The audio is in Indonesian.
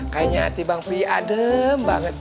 kayaknya hati bang pi adem banget